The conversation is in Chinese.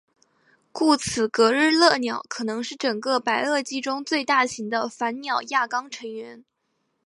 故此格日勒鸟可能是整个白垩纪中最大型的反鸟亚纲成员。